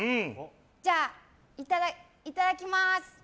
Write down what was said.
じゃあ、いただきます。